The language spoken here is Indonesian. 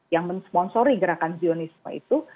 yang mensponsori gerakan zionisme itu